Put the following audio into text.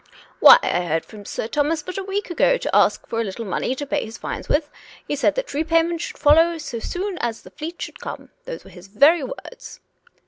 " Why, I heard from Sir Thomas but a week ago, to ask for a little money to pay his fines with. He said that repayment should follow so soon as the fleet should come. Those were his very words."